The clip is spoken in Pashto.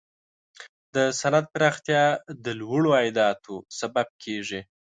د صنعت پراختیا د لوړو عایداتو سبب کیږي.